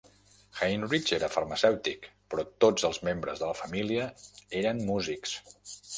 Heinrich era farmacèutic, però tots els membres de la família eren músics.